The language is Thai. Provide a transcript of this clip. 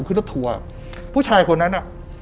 ขึ้นรถทัวร์ผู้ชายคนนั้นน่ะ